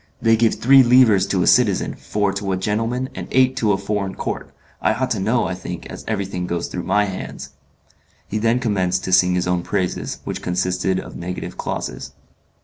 They give three livres to a citizen, four to a gentleman, and eight to a foreign count. I ought to know, I think, as everything goes through my hands." He then commenced to sing his own praises, which consisted of negative clauses.